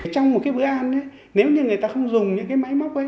trong một cái bữa ăn nếu như người ta không dùng những cái máy móc ấy